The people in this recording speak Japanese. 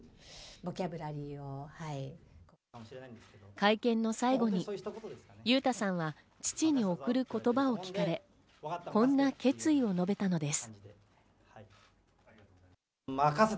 会見の最後に裕太さんは父に贈る言葉を聞かれ、こんな決意を述べたのです。